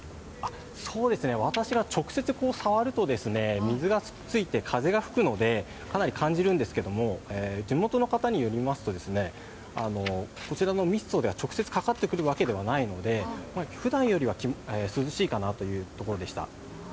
私が直接触ると水がついて風が吹くのでかなり感じるんですが地元の方によりますとですねこちらのミストでは直接かかってくるわけではないのでふだんよりは涼しいかなというところでした。